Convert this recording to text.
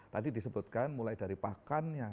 tadi disebutkan mulai dari pakannya